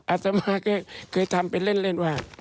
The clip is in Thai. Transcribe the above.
อาตมาแกเคยทำเป็นเล่นว่า